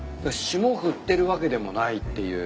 霜降ってるわけでもないっていう。